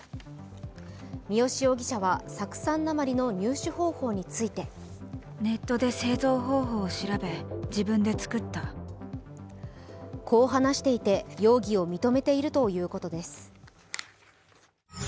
三好容疑者は酢酸鉛の入手方法についてこう話していて、容疑を認めているということです。